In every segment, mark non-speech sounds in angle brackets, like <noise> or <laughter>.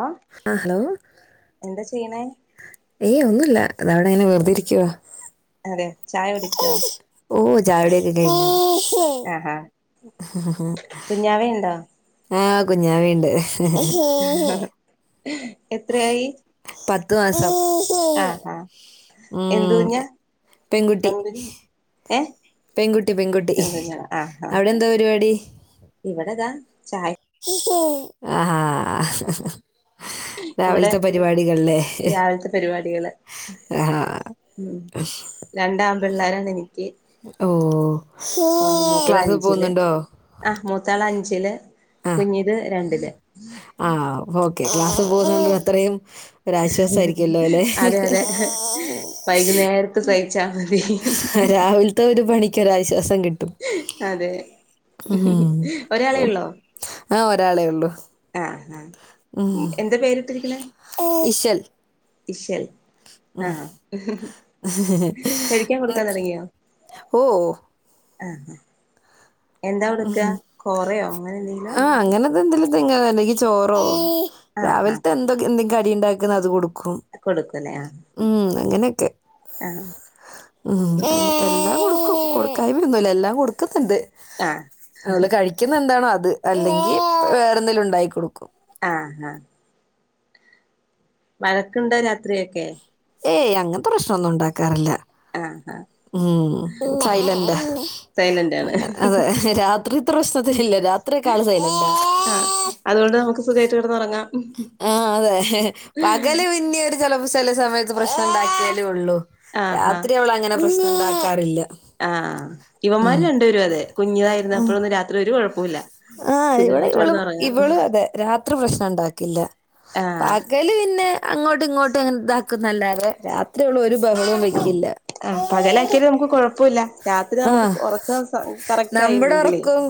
ആ എന്താ ചെയ്യണേ? ഏയ് ഒന്നുല്ല ദ വടെ ങ്ങനെ വെർതെരിയ്ക്കുവാ. അതെ ചായ കുടിച്ചോ? ഓ ചായുടിക്കെ കയിഞ്ഞ് ആഹാ ഹ് ഹ് ഹ് കുഞ്ഞാവ ഉണ്ടോ ഹ് ആ കുഞ്ഞാവ ഇണ്ട്. ഹ് ഹ് ഹീ ഹി ഹ് എത്രയായി? പത്ത് മാസം. ആഹാ മ് എന്ത് കുഞ്ഞാ എ പെങ്കുട്ടി. പെൺകുഞ്ഞ് ഏ പെങ്കുട്ടി പെങ്കുട്ടി ഹ് പെൺകുഞ്ഞാണ് ആഹാ അവ്ടെന്താ പരിപാടി? ഇവിടെതാ ചായ ആ ഹാ ഹ ഹ് ഹ് ഹ്. ഇവിടെ രാവിൽത്തെ പരിപാടികള്ലേ ഹ് രാവിലത്തെ പരിപാടികള് ഹ് ആ ഉം മ് രണ്ടാ പിള്ളോരാണ് എനിക്ക്. ഓഹ് ക്ലാസ്സ് പോന്ന്ണ്ടോ? ആഹ് മൂത്താളഞ്ചില് കുഞ്ഞിത് രണ്ടില്. ആ വോ ക്കെ ക്ലാസ് പോന്നോണ്ട് ത്രയും ഒരാശ്വാസയിരികൊല്ലോ ലെ ഹ് അതെ അതെ ഹ് വൈകുന്നേരത്ത് സഹിച്ചാ മതി ഹ് രാവിൽത്തോരു പണിക്കൊ ര ആശ്വാസ ഹ് അതെ ഉം ഒരാളേ ള്ളോ? ആ ഒരാളേ ഉള്ളൂ ആ ആ ഉം എന്താ പേരിട്ടിരിക്ന്നെ ഇശൽ ഇശൽ ആഹ് കഴിയ്കാ ക്കൊടുക്കാ തൊടങ്ങിയോ? ഓഓ ആ ഹ എന്താ ഉടുക്ക കൊറയോ അങ്ങനെ ന്തെല? തെന്തെല <unintelligible> ചോറോ ആഹ് രാവിൽത്തെ എന്ധോ കെ എന്തെ ക്കടി ണ്ടാക്ക്‌ന്ന അത് കൊടു കും ആഹ് കൊടുക്കുല്ലേ ആഹ് ഉം അങ്ങനെക്കെ ആഹ് ഉം എല്ലാം കൊടുക്കും കൊടുക്കായിമൊന്നുല്ല എല്ലാം കൊടുക്കുന്നുണ്ട് ആഹ് അവള് കഴിക്കുന്ന എന്താണോ അത് അല്ലെങ്കിൽ വേറെ എന്തേങ്കിലും ഉണ്ടായി കൊടുക്കും ആഹ് ആഹ് വഴക്കുണ്ടോ രാത്രിയൊക്കെ ഏയ് അങ്ങനത്തെ പ്രശ്നമൊന്നും ഉണ്ടാക്കാറില്ല ആഹ് ആഹ് ഉം സൈലന്റ സൈലന്റ് ആണ് അങ്ങെനെ അതെ രാ ത്രി ഇത്ര പ്രശ്നത്തില്ല രാത്രിയൊക്കാൾ സൈലന്റാ ആഹ് അതുകൊണ്ട് നമുക്ക് സുഖായിട്ട് കിടന്നുറങ്ങാം ആഹ് അതെ പകല് പിന്നെ ഒരു ചിലപ്പോ ചില സമയത്ത് പ്രശ്നം ഉണ്ടാക്കിയാലേ ഒള്ളു ആഹാ രാത്രി അവള അങ്ങനെ പ്രശ്നം ഉണ്ടാക്കാറില്ല ആഹ് ഇവമാര് ഉം രണ്ട് വേരും അതെ കുഞ്ഞതായിരുന്നപ്പോഴൊന്നും രാത്രി ഒരു കുഴപ്പോ ഇല്ല ആഹ് ഇവടെ ഇവളും ഇവളും അതെ രാത്രി പ്രശ്ന ഉണ്ടാക്കില്ല ആഹ് പകല് പിന്നെ അങ്ങോട്ടും ഇങ്ങോട്ടും അങ്ങനെ ഇതാക്കുന്നല്ലാതെ രാത്രിവൾ ഒരു ബു ആ പകല ആക്കിയാലും നമുക്ക് കൊഴപ്പുല്ല രാത്രി ആ നമുക്ക് ഉറക്കം സ കറക്റ്റ് നമ്മുടെ ആയില്ലെങ്കിലെ ഉറക്കവും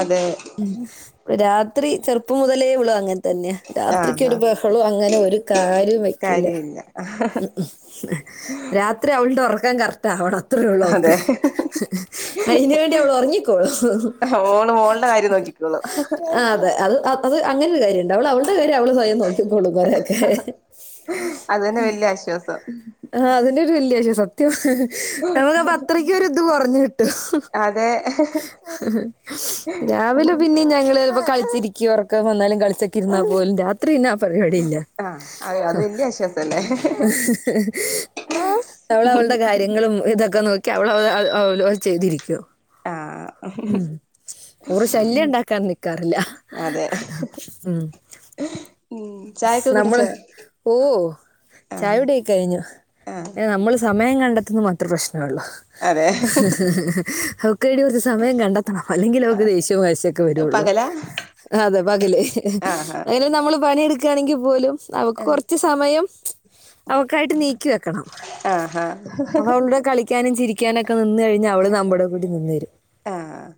അതെ. ഉം രാത്രി ചെറുപ്പം മുതലേ ഉള്ള തന്നെയ ആഹ് രാത്രിക്കൊരു ആഹ് ബഹളോം അങ്ങനെ ഒരു കാര്യവും വെക്കില്ല കാര്യമില്ല ഉം രാത്രി അവളുടെ ഉറക്കം കറക്റ്റ് ആവണം അത്രേ ഉള്ളൂ അവൾക് അതെ അയ്നു വേണ്ടി അവള് ഒർങ്ങിക്കോളും മോള് മോളുടെ കാര്യം നോക്കിക്കോളും ആ അതെ അത് അത് അങ്ങനെരു കാര്യമുണ്ട് അവള് അവളുടെ കാര്യം അവള് സ്വയം നോക്കിക്കോളും കൊറെയൊക്കെ അത് തന്നെ വല്യ ആശ്വാസം ആ അതിന്നൊരു വല്ല്യൊരു സത്യ നമുക്ക്പത്രക്കര്ത് കൊറഞ് കിട്ടും അതെ രാവിലെ പിന്നെ ഞങ്ങള് പ്പോ കളിച്ചിരിക്കും ഒറക്കം വന്നാലും കളിച്ചൊക്കെ ഇരുന്നാ പോലും രാ ത്രീന്നാ പരിപാടിയില്ല ആഹ് അയ് അത് വല്യ ആശ്വാസല്ലേ ആ അവൾ അവളുടെ കാര്യങ്ങളും ഇതൊക്കെ നോക്കി അവള അവള അവ അവ ചെയ്തിരിക്കും ഹ് ഹ് ഉം ഓറ് ശല്യം ഹും ഉണ്ടാക്കാൻ നിക്കാറില്ല അതെ ഉം ഉ നമ്മള് ഓഹ് ആഹ് ചായുടി ഒക്കെ കഴിഞ്ഞു ആഹ് നമ്മള് സമയ യം കണ്ടെത്തുന്നത് മാത്രം പ്രശ്‌ണള്ളു അതെ <unintelligible> കുറച് സമയം കണ്ടെത്തണം അല്ലെങ്കിൽ അവക്ക് ദേഷ്യം വാശിയൊക്കെ വരുള്ളൂ പകലാ അതെ പകലേ ആഹാ അങ്ങനെ നമ്മള് പണിയെടുക്കുകയാണെങ്കിൽ പോലും അവക്ക് കൊറച്ച് സമയം അവക്കായിട്ട് നീക്കി വെക്കണം ആഹാ ആഹ് അവ അവളടെ കളിക്കാനും ചിരിക്കാനും ഒക്കെ നിന്ന് കഴിഞ്ഞാൽ അവള് നമ്മുടെ കൂടി നിന്ന് ത രും ആഹ്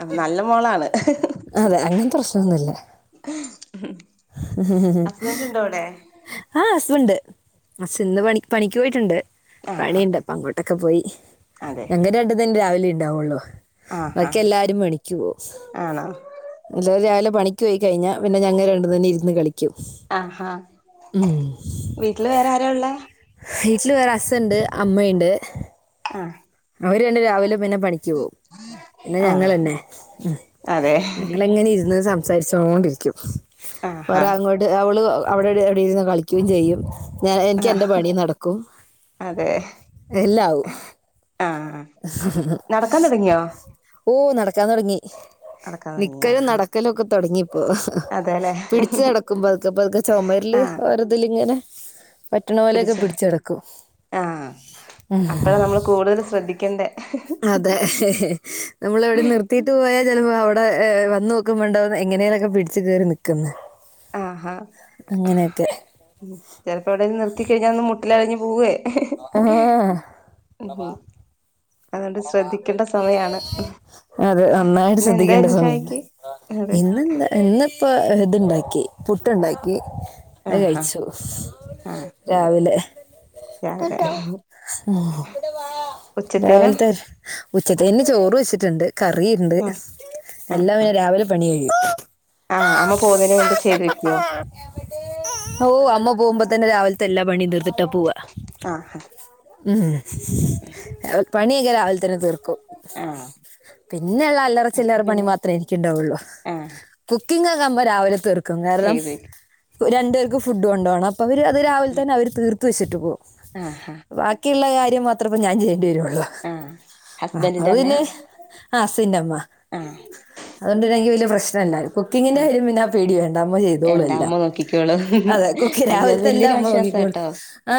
ആ നല്ല മോളാണ് അതെ അങ്ങനത്തെ പ്രശ്നൊന്നുല്ല ഉം ഹസ്ബൻറ് ഉണ്ടോ അവിടെ ണ്ട് ണ്ട് അസ് ഇന്ന് പണി പണിക്ക് പോയിട്ടുണ്ട് ആഹാ പണിയുണ്ട് അപ്പ അങ്ങോട്ടൊക്കെ പോയി അതെ ഞങ്ങ രണ്ട തന്നെ രാവിലെ ഉണ്ടാവുള്ളോ ആഹാ ബാക്കി എല്ലാരും പ ണിക് പോവും ആണോ അല്ല രാവിലെ പണിക്ക് പോയി കഴിഞ്ഞാൽ പിന്നെ ഞങ്ങൾ രണ്ടു തന്നെ ഇരുന്ന് കളിക്കും ഉം ആഹാ വീട്ടില് വേറെ ആരാ ഉള്ളെ വീട്ടിൽ വേറെ അസുണ്ട് അമ്മയുണ്ട് ആഹ് അവര് രണ്ട് രാവിലെ പിന്നെ പണിക്ക് പോവും പിന്നെ ആഹ് ഞങ്ങെന്നെ ഉ അതെ ഞങ്ങൾ എങ്ങനെ ഇരുന്ന് സംസാരിച്ചോണ്ടിരിക്കും ആഹാ വേറെ അങ്ങോട്ട് അവള് അവിടെ എവിടെയിരുന്ന് കളിക്കുകയും ചെയ്യും ഞാൻ എനിക്ക് ആഹ് എന്റെ പണി നടക്കും അതെ എല്ലാവും ആഹ് നടക്കാൻ തുടങ്ങിയോ ഓ നടക്കാൻ തുടങ്ങി നടക്കാൻ തുടങ്ങിയാ നിക്കലും ആ നടക്കലൊക്കെ തുടങ്ങിപ്പോ അതെല്ലെ പിടിച്ചു നടക്കുമ്പൊ പതുക്കെ പതുക്കെ ചുമരില് ആഹ് വർതില് ഇങ്ങനെ പറ്റണ പോലെയൊക്കെ പിടിച്ചോ പിടിച്ചെടക്കും ശ്രദ്ധിക്കേണ്ടേ? അതെ ഹെ ഹെ നമ്മൾ വിടെ നിർത്തീട്ട് പോയാൽ ച അവിടെ വന്നോ ക്കുമ്പോണ്ടാന്നകും എങ്ങനെേലൊക്കെ പിടിച്ച് കേറി നിക്ക്ന്ന്. ആഹ അങ്ങനെയൊക്കെ ഉ ചെലപ്പോ വെടേലും നിർത്തി കഴിഞ്ഞാലൊന്ന് മുട്ടിലഴഞ്ഞ് പോവേ ആ ആ അതോണ്ട് ശ്രദ്ധിക്കേണ്ട സമയാണ്. അതെ നന്നായിട്ട് ഇന്ന് ശ്രദ്ധിക്കേണ്ട എന്തായിരുന്നു സമയാ ചായക്ക് അതെ ഇന്നെന്താ ഇന്ന് ഇപ്പൾ ഇതുണ്ടാക്കി പുട്ടുണ്ടാക്കി അ ആഹാ കഴിച്ചു ആഹ് രാവിലെ രാവിലെ ഉച്ചത്തേനോ രാവി ഉച്ചത്തിന് ചോറ് വെച്ചിട്ടുണ്ട്. കറിയുണ്ട് ആഹ് എല്ലാം പിന്നെ രാവിലെ പണിയെയും ആ അമ്മ പോവുന്നേന് മുമ്പ് ചെയ്ത് വെക്കുവാ ഓ അമ്മ പോകുമ്പോ തന്നെ രാവിലത്തെ എല്ലാ പണിം തീർത്തിട്ടാ പോവ ആഹ് ഉം രാ പണിയൊക്കെ രാവിലെ തന്നെ തീർക്കും. ആഹ് പിന്നെള്ള അപ്പൊ അല്ലറച്ചില്ലറ പണി പിന്നെ മാത്രേ എനിക്ക് ഉണ്ടാവുള്ളൂ. ആഹ് കു കുക്കിങ്ങോക്കെമ്മ രാവിലെ തീർക്കും. കാരണം ചെയ്ത് രണ്ടു പേർക്ക് ഫുഡ് കൊണ്ടോണം. പ്പ അവര് അത് രാവിലെ വെക്കും തന്നെ അവർ തീർത്ത് വെച്ചിട്ട് പോകും. ആഹ് വാക്കിള്ള കാര്യം മാത്രപ്പം ഞാൻ ചെയ്യേണ്ടി വരോള്ളു. ആഹ് ആ ഹസ്ബൻഡിന്റെ അത്പിന്നെ അമ്മയാ ആ സിന്റെമ്മ ആഹ് അതോണ്ട് തന്നെ എനിക്ക് വലൃയ പ്രശ്നല്ല. കുക്കിങ്ങിന്റെ കാര്യം പിന്നെ ആ പേടി വേണ്ട, അമ്മ ചെയ്തോളൂ വേണ്ട എല്ലാം. അമ്മ നോക്കിക്കോളൂ അതെ ക്കി അയ്യോ അത് രാവിൽത്തെല്ലാ വല്യൊരു മ്മ ങ്ങിക്കോളും. ആശ്വാസാട്ടോ ആ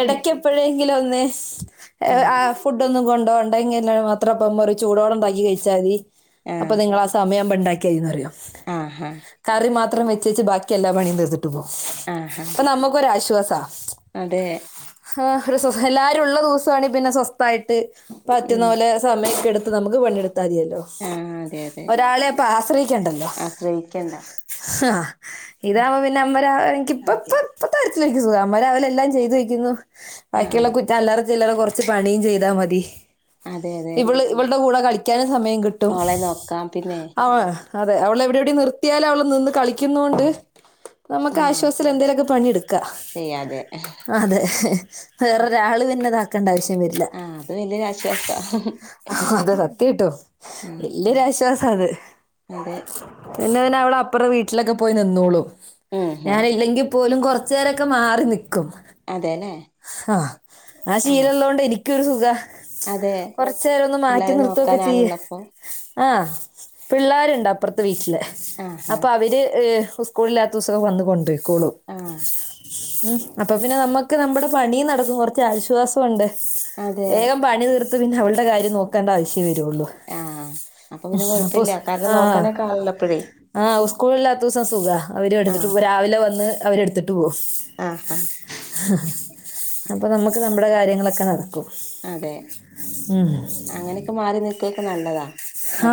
എടക്കെ പ്പഴേങ്കിലൊ- ന്നെ ഉം കൊണ്ടോണ്ടെങ്കി ന്നൊട് മാത്ര മ്മ പറി ചൂടോടെണ്ടാക്കി കഴിച്ചാ മതി അപ്പൊ നിങ്ങളാ സമയ മ്മ ണ്ടാക്കിയായിന്ന് അറിയോ? ആഹ മാത്രം വെച്ചച്ച് ബാക്കി എല്ലാ പണിം തീർത്തിട്ട് പോവും അപ്പൊ നമ്മുക്കൊരാശ്വാസ. അതേ ആ ഒരു എല്ലാരുള്ള ദിവസാ ണെങ്കി പിന്നെ സ്വസ്ഥായിട്ട് പറ്റുന്ന ഉം പോലെ സമയൊക്കെടുത്ത് നമുക്ക് പണിയെടുത്ത് മതിയല്ലോ ആ അതെ അതെ ഒരാളെ അപ്പൊ ആശ്രയിക്കണ്ടല്ലോ? ആശ്രയിക്കണ്ട ഹാ ഇതാകുമ്പോ പിന്നെ അമ്മരാവിലെനിക്ക് ഇപ്പ ഇപ്പ അതെ ഇപ്പ തരത്തില വക്ക സുഖം അമ്മരാവിലെ എല്ലാം ചെയ്ത് വയ്ക്കുന്നു. ആ ബാക്കിള്ള കുറ്റം അല്ലറ ചില്ലറ കൊറച്ച് പണിയും ചെയ്താൽ മതി. അതെ അതെ ഇവള് ഇവളുടെ കൂടെ കളിക്കാനും സമയം കിട്ടും. മോളെ നോക്കാം പിന്നെ അവ അതെ അവള് എവിടെ എവിടെ നിർത്തിയാലും അവള് നിന്ന് കളിക്കുന്നൊണ്ട് നമുക്ക് ആ ആശ്വാസൽ എന്തേലൊക്കെ പണിയടുക്കാ. ചെയ്യാതെ അതെ, വേറൊരാള് പിന്നെ ഇതാക്കേണ്ട ആവശ്യ ന്ന് വെരില്ല ആ അത് വല്യൊരു ആശ്വാസാ അതെ സത്യായിട്ടും ഉം വല്യൊശ്വാസ അതെ അതെ പിന്നെവനവ്ടപ്പ്റ വീട്ടിലക്കെ പോയി നിന്നോളും. ഉം ഉം ഞാനില്ലെങ്കിൽ പോലും കൊറ കൊച്ച് നേരൊക്കെ മാറി നിക്കും. അതെല്ലേ ആ ആ ശീലള്ളോണ്ട് എനിക്കൊരു സുഖ. അതെ കൊറച്ചേരൊന്ന് മാറ്റി പിള്ളേരെ നിർത്തൊക്കെ നോക്കാൻ ചിയ്യ്. ആളുള്ളപ്പോ ആ പിള്ളേരുണ്ട് അപ്പുറത്തെ വീട്ടില് ആഹാ അപ്പവര് ഉസ്കൂളില്ലാത്ത ദിസൊക്കെ വന്ന് കൊണ്ടെയികോളും ആ ഉം അപ്പൊ പിന്നെ അമ്മ ക്ക് നമ്മുടെ പണിം നടക്കും കൊറച്ചാശ്വാസൊണ്ട്. അതെ വേഗം പണി തീർ ക്ക് പിന്നെ അവള്ടെ കാര്യം നോക്കേണ്ട ആവശ്ശ്യേ വരൊള്ളൂ. ആ അപ്പൊ പിന്നെ അപ്പൊ കൊഴപ്പില്ല കാരണം ആ നോക്കാനൊക്കെ ആളുള്ളപ്പഴേ ആഹ് ഉസ്കൂളില്ലാത്തവ്സം സുഖ അവര് എടുത്തിട്ട് ആഹ് മ്പ രാവിലെ വന്ന് അവരട് ത്ട്ട് പോകും ആഹ് ഹ അ അപ്പോ നമ്മക്ക് നമ്മുടെ കാര്യങ്ങളൊക്കെ നടം ഉ അതെ ഉം ഹ് നല്ലതാ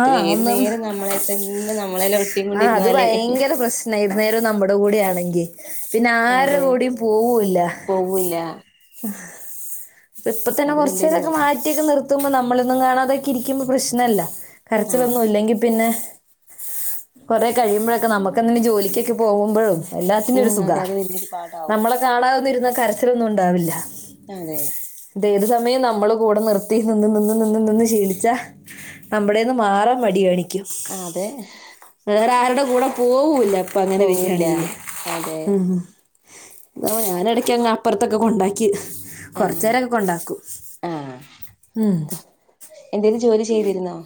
ആ ഒന്നും നേരം നമ്മളെ തന്നെ നമ്മളെല വെട്ടി ആ അത് ക്കുണ്ടിരുന്നാല് ഭയങ്കര പ്രശ്നായിരുന്നേരം നമ്മുടെ കൂടി ആണെങ്കി പിന്നെ ആര അതെ കൂടിം പോവൂ ല്ല പോവൂല്ല <inaudible> ഇപ്പൊ തന്നെ അത് വലിയൊരു കൊർചെരൊക്കെ കാര്യം മാറ്റി ഒക്കെ നിർത്തുമ്പോ ഞമ്മളന്നും കാണാതെ ഇരിക്കുമ്പോ പ്രശ്നല്ല ആഹ് കരച്ചിലൊന്നും ഇല്ലങ്കി പിന്നെ കൊറെ കഴിയുമ്പോഴൊക്കെ നമുക്കെന്ധെലും ജോലിക്കൊക്കെ പോകുമ്പോഴും എല്ലാത്തിനു ഉം ഒരു സുഖ അതെ അത് വലിയൊരു പാടാവും നമ്മളെ കാണാദിരുന്ന കരച്ചിലൊന്നും ഉണ്ടാവില്ല അതെ ത് ഏതു സമയം നമ്മള് കൂട നിർത്തി നിന്ന് നിന്ന് നിന്ന് നിന്ന് ശീലിച്ചാ നമ്മുടെന്ന് മാറാൻ മടിയണിക്കും ആ അതെ വേറെ ആരുടെ കൂടെ പോവൂല്ല ഇപ്പൊ അങ്ങനെ പോവില്ല വരാണെങ്കില് അതെ ഹ് ഹ് മ് ന്നാപ ഞാനടക്ക് അങ്ങ് അപ്പോർ ത്തൊക്കെ കൊണ്ടാക്കി ആഹ് കോർചേരംഗ് കൊണ്ടാക്കും ആഹ് ഉം. എന്തേലും ജോലി ചെയ്തിരുന്നോ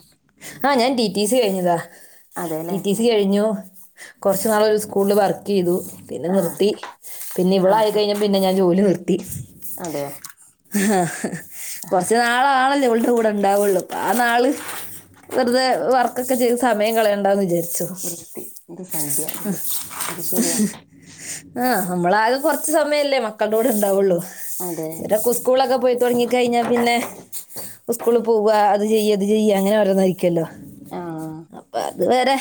ആഹ് ഞാൻ ടി ടി സി കഴിഞ്ഞതാ ടി അതെല്ലേ ടി സി കഴിഞ്ഞു കൊർച്ച്‌ നാളോരു സ്കൂൾ ല് വർക്ക യ്തു പിന്നെ ആഹ് നിർത്തി പിന്നെ ഇവളാ ആഹ് ആഹ് യിക്കഴിഞ്ഞപ്പ പിന്നെ ഞാൻ ജോലി നിർത്തി അതെയോ ഹാ ഹാ കൊർച്ച് നാളാണല്ലേ ഓൾ ടെ കൂടെ ഇണ്ടാവുള്ളൂ പ്പാ ആ നാള് വെറുതെ വർക്കൊക്ക ചെയ്ത് സമയം കളയണ്ടന്ന് വിചാരിച്ചു വൃത്തി ഇത് സന്ധ്യ വ്ർ അത് ശരിയാ നമ്മളാക കോർച്ച് സമയല്ലേ മക്കൾടെ കൂടെ ണ്ടാവുള്ളു അതെ നേരക്ക സ്കൂൾ ലോ ക്കെ പോയി തോട് ങ്ങി കഴിഞ്ഞാ പിന്നെ ഹ് സ്കൂള് പോവ അത് ചെയ്യ ഇത് ചെയ്യ അങ്ങനെ ഓരോന്നയിക്കല്ലോ ആഹ് തോ അപ്പൊ അതുവരെ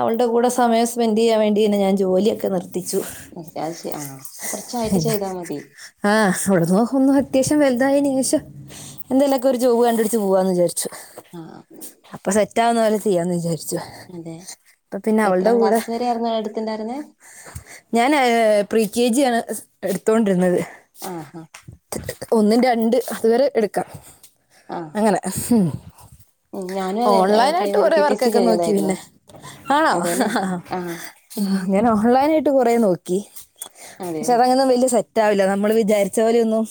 അവൾടെ കൂടെ സമയം സ്പെന്റെ യ്യാൻേവേണ്ടി ആണ് ഞൻ ജോലിയൊക്ക നിർ എ റ്റാഷ് ആ കോർച്ചായിട്ട് ചെയ്താ മതി ഫുൾ ഫോഹോന്ന് ഹത്യാ ഷ്യം വൽ തായി നിം ശേഷം എന്തെലൊക്കെ ഒരു ജോബ് കണ്ടുപിടു ച്ച് പോവാന്ന് വിചാരിച്ചു ആ ട്ടാ ന്ന് പോലെ ചെയ്യാന്ന് വിചാരിച്ചു പ്പ പിന്നെ അവൾടെ എത്രാം കൂടെ ക്ലാസ് വരെ ആയിരുന്നു എടുത്തിണ്ടായിരുന്നേ ഞാനാഹ് പ്രി കെ ജി ആണ് എടുത്തോണ്ടിരുന്നത് ആഹ് ണ്ട് അതുവരെ എടുക്കാം ആഹ് അങ്ങനെ മ് ഉം ഞാനും അതെ ഓൺലൈൻ ആയിട്ട് പ്രൈമറി കൊറെ പി ടി സി വർക്കൊക്കെ നോക്കി കഴിഞ്ഞതായിരുന്നു പിന്നെ ആഹ് ഹ് അതെല്ലേ ഹ ഹ ആഹ് ഞൻ ഓൺല ഞാങ്ങട്ട് കൊറേ നോക്കി പക്ഷെ അതെയോ അതങ്ങന വല്ല്യ സെറ്റ് ആവില്ല നമ്മള് വിചാരിച്ച പോലെയൊന്നും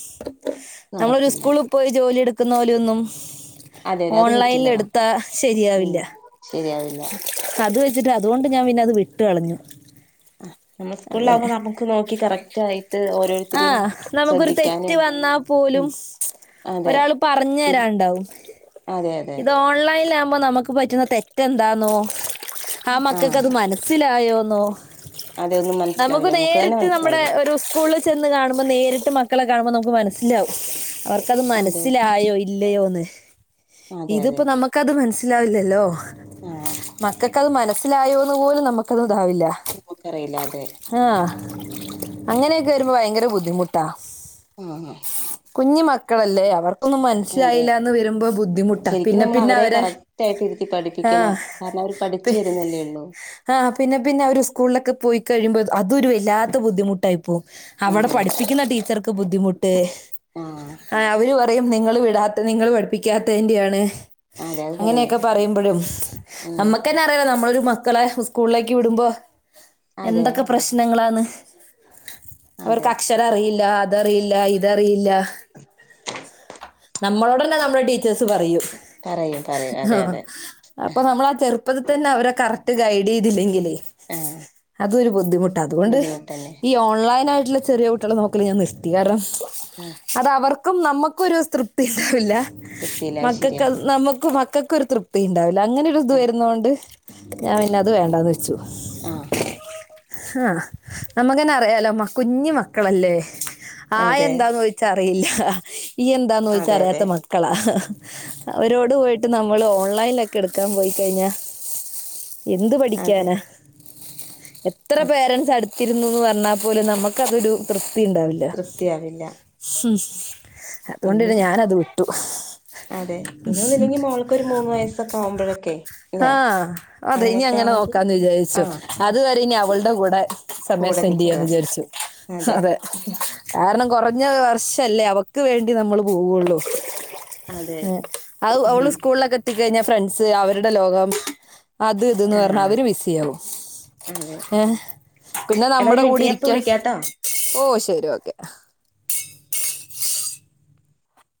നമ്മളൊരു നടക്കില്ല സ്കൂൾ പോയി ജോലി എടുക്കുന്ന പോലെയൊന്നും അതെ അതെ അത് ഓൺലൈൽ പറ്റില്ലടാ എടുത്താ ഉം ശരിയാവില്ല ശരിയാവില്ല അത് വെ ച് ട്ട് അതുകൊണ്ട് നാം പിന്നെ അത് വിട്ട് കളഞ്ഞു അ നമ്മൾ സ്കൂൾ ലാവുമ്പോ നമുക്ക് നോക്കി കറക്റ്റ് ആയി ആഹ് നമുക്കൊരു തെറ്റ് വന്നാ പോലും ഉം അതെ ഒരാള്പർ ഞ്ഞ് തിരി തരാണ്ടാവും അതെ അതെ ഇത് ഓൺലൈലാ മ്മ നമ്മക്ക് പറ്റുന്ന തെറ്റെന്താന്നോ ആ മക്കക്ക് ആഹ് അത് മനസ്സിലായോന്നോ അതെ ഒന്നും നമുക്ക് മനസ്സിലാവില്ല തന്നെ നേരിട്ട് നമ്മടെ മനസ്സിലാവില്ല ഒരു സ്കൂള് ചെന്ന് കാണുമ്പോ നേരിട്ട് മക്കളെ കാണുമ്പോ നമുക്ക് മനസ്സിലാകും അവർക്കത് അതെ മനസ്സിലായോ ഇല്ലയോന്ന് അതെ അതെ ഇത്പ്പോ നമ്മക്കത് മൻസ് വില്ലലോ ആഹ് മക്കക്കത് മനസിലായോന്ന് പോലും നമ്മക്കത് ആവില്ല നമുക്കറിയില്ല അതെ ആ അങ്ങനെ വരുമ്പോ ഭയങ്കര ബുദ്ധിമുട്ടാ ആ ആ. കുഞ്ഞി മക്കളല്ലേ ഒന്നും മനസ്സിലായിലാന്ന് വരുമ്പോ ബുദ്ധിമുട്ടാ ശരിക്കും പിന്നെ നമ്മൾ പിന്നെ അവരെ കറക്റ്റ് ആയിട്ട് ഇരുത്തി ആ. പഠിപ്പിക്കണം കാരണം അവര് പഠിച്ചു വരുന്നല്ലേ ഒള്ളൂ. ആ പിന്നെ പിന്നെ അവര് ഉസ്കൂളിലൊക്കെ പോയി കഴിയുമ്പോ അതൊരു വല്ലാത്ത ബുദ്ധിമുട്ടായി പോവും അവിടെ അതെ പഠിപ്പിക്കുന്ന ടീച്ചർക്ക് ബുദ്ധിമുട്ട് ആഹ് ആ അവര് പറയും നിങ്ങള് വിടാത്ത നിങ്ങള് പഠിപ്പിക്കാത്തയ്ന്റയാണ്. അതെ അത് പറയും അങ്ങനെയൊക്കെ പറയുമ്പോഴും ഉം ന്നമ്മക്കന്നെ അറിയല്ലോ നമ്മളരു മക്കളെ ഉസ്കൂളിലേക്ക് വിടുമ്പോ അതെ എന്തൊക്കെ പ്രശ്നങ്ങളന്ന്. അവർക്ക് അതെ അക്ഷരം അറിയില്ല അതറിയില്ല ഇതറിയില്ല. <inaudible> നമ്മളോട് തന്ന നമ്മളെ ട്ടീ ചേഴ്സ് പറയും പറയും പറയും ആ അതെ അതെ അപ്പ നമ്മളാ ചെറുപ്പത്തിൽ തന്നെ അവരെ കർറ്റ് ഗൈഡ് ചെയ്തില്ലെങ്കിലേ ആഹ് അതൊരു ബുദ്ധിമുട്ടാ അതുകൊണ്ട് ബുദ്ധിമുട്ടന്നെ ഈ ഓൺലൈനായിട്ടുള്ള ചെറിയ കുട്ട്യളെ നോക്കല് ഞാൻ നിർത്തി കാരണം ആഹ് അത് അവർ നമ്മുക്കൊരു തൃപ്തി ണ്ടാവില്ല വൃത്തിയില്ല അത് ശരിയാ മക്കക്ക് നമുക്കു മക്കക്കൊരു തൃപ്തിണ്ടാവില്ല. അങ്ങനെരു ഇത് ആഹ് വരുന്നോണ്ട് ഞാൻ പിന്നെത് വേണ്ടാന്ന് വെച്ചു. ആഹ് ആഹ് ആ നമ്മുക്കന്നെ അറിയാലോ കുഞ് മക്കളല്ലേ? ആ അതെ എന്താന്ന്ചോയ്ച്ചാഅറിയില്ല ഈ എന്താന്ന് അതെ അതെ ചോയ്‌ച്ചാറിയാത്ത മക്കളാ അവരോട് പോയിട്ട് നമ്മൾ ഓൺലൈനൊക്കെ എടുക്കാൻ പോയി കഴിഞ്ഞാ എന്ത് അതെ പഠിക്കാനാ? എത്ര ആഹ് പേരൻസ് അടുത്തിരുന്നുന്ന് പറഞ്ഞാൽ പോലും നമുക്കതൊരു ഉണ്ടാവില്ല തൃപ്തിയാവില്ല ഇനി അതുകൊണ്ടിന്ന ഞാനത് വിട്ടു. അതെ ഇനിയൊന്നില്ലെങ്കി മോൾക്കൊരു മൂന്ന് വയസ്സൊക്കെ ആവുമ്പോഴൊക്കെ ല്ലേ ആ അതെ അങ്ങനെയൊക്കെ ഇനിങ്ങനെ ആണെങ്കിൽ നോക്കാന്ന് വിചാരിച്ചു ആഹ് അത് വെരെനി അവൾടെ കൂടെ. സമയം കൂടെ സ്പെൻഡ് നിക്ക ചെയ്യാന്ന് വിചാരിച്ചു അതെ കാരണം കൊറ ഞ്ഞ വർഷല്ലേ അവക്ക് വേണ്ടി നമ്മള് പോവുള്ളു. അതെ അത് അവള് ഉം സ്കൂളിലക്കെത്തിക്കഴിഞ്ഞ ഫ്രണ്ട്സ് അവരുടെ ലോകം. അത് ഇത്‌ന് ന്നർഞ് ആഹ് അവര് ബിസി ആവും അതെ ഏ. പിന്നെ എടാ ഒരു നമ്മുടെ കൂടെ മിനിറ്റ് ഞാൻ ഇപ്പൊ ഇരിക്കാൻ വിളിക്കാട്ടോ ഓ ഇഷ് രി ഓക്കെ.